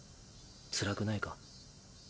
つらくないか？